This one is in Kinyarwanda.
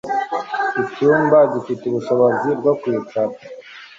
Icyumba gifite ubushobozi bwo kwicara .